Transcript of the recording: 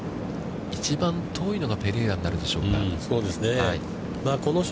一番遠いのがペレイラになるでしょうか。